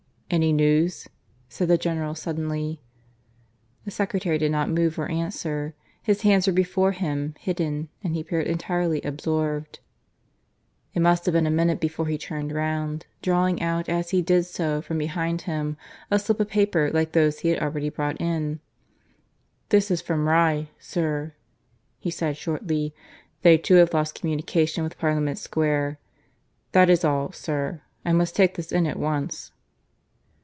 "Any news?" said the General suddenly. The secretary did not move or answer. His hands were before him, hidden, and he appeared entirely absorbed. It must have been a minute before he turned round, drawing out as he did so from before him a slip of paper like those he had already brought in. "This is from Rye, sir," he said shortly. "They too have lost communication with Parliament Square. That is all, sir. I must take this in at once."